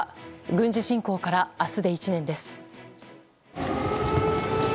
軍事侵攻から明日で１年です。